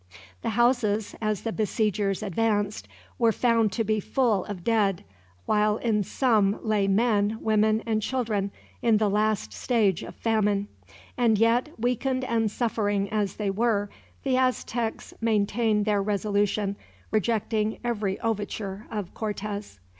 The houses, as the besiegers advanced, were found to be full of dead; while in some lay men, women, and children in the last stage of famine. And yet, weakened and suffering as they were, the Aztecs maintained their resolution, rejecting every overture of Cortez.